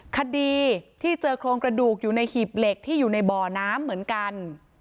คดีที่เจอโครงกระดูกอยู่ในหีบเหล็กที่อยู่ในบ่อน้ำเหมือนกัน